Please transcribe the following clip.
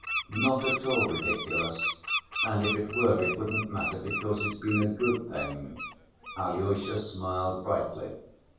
"Not at all ridiculous, and if it were, it wouldn't matter, because it's been a good thing." Alyosha smiled brightly.